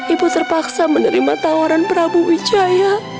ibu terpaksa menerima tawaran prabu wijaya